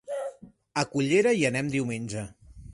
A Cullera hi anem diumenge.